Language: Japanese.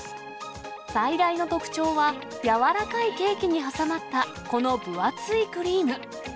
最大の特徴は、柔らかいケーキに挟まったこの分厚いクリーム。